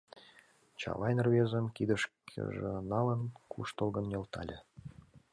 — Чавайн рвезым, кидышкыже налын, куштылгын нӧлтале.